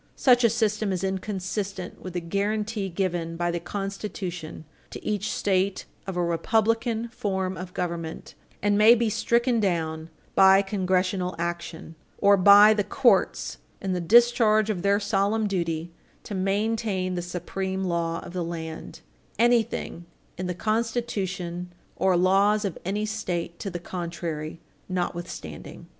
Such a system is inconsistent with the guarantee given by the Constitution to each State of a republican form of government, and may be stricken down by Congressional action, or by the courts in the discharge of their solemn duty to maintain the supreme law of the land, anything in the constitution or laws of any State to the contrary notwithstanding.